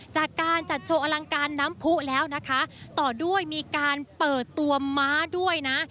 จากการจัดโชว์อลังการน้ำผู้แล้วนะคะต่อด้วยมีการเปิดตัวม้าด้วยนะ